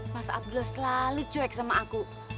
mas abdul selalu cuek sama aku